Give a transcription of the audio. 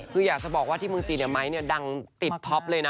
คืออยากจะบอกว่าที่เมืองจีนไม้ดังติดท็อปเลยนะ